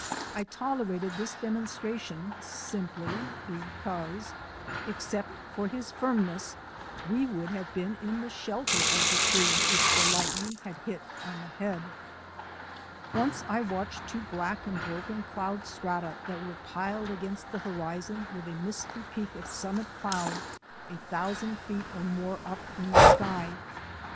I tolerated this demonstration simply because except for his firmness we would have been in the shelter of the tree which the lightning had hit on the head. Once I watched two black and broken cloud strata that were piled against the horizon with a misty peak of summit cloud a thousand feet or more up in the sky.